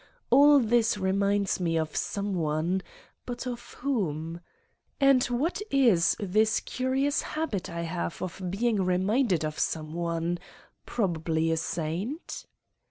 ... All this reminds me of some one. But of whom? And what is this curious habit I have of being reminded of some one? Probably a saint?